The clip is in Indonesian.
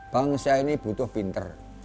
bangsa ini butuh pinter